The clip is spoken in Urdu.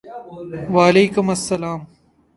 وعلیکم السلام ！